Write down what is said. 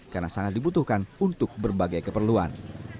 karena sangat dibutuhkan untuk berbagai keperluan